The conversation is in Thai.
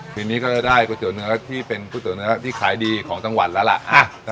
ทีนี้ก็จะได้ก๋วเนื้อที่เป็นก๋วเนื้อที่ขายดีของจังหวัดแล้วล่ะ